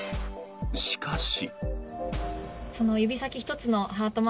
しかし。